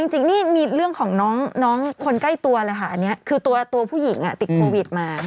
จริงนี่มีเรื่องของน้องคนใกล้ตัวคือตัวผู้หญิงติดโควิดมา